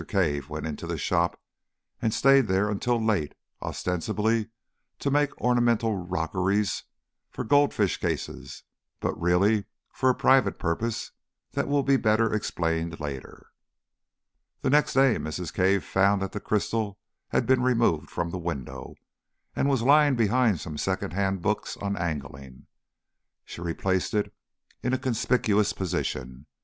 Cave went into the shop, and stayed there until late, ostensibly to make ornamental rockeries for goldfish cases but really for a private purpose that will be better explained later. The next day Mrs. Cave found that the crystal had been removed from the window, and was lying behind some second hand books on angling. She replaced it in a conspicuous position.